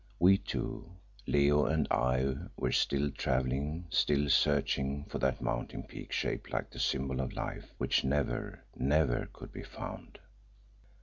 we two, Leo and I, were still travelling, still searching for that mountain peak shaped like the Symbol of Life which never, never could be found.